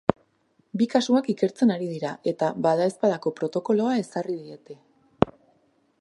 Bi kasuak ikertzen ari dira, eta, badaezpako protokoloa ezarri diete.